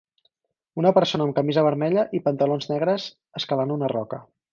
Una persona amb camisa vermella i pantalons negres escalant una roca.